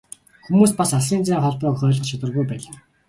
Хүмүүс бас алсын зайн холбоог ойлгох чадваргүй байлаа.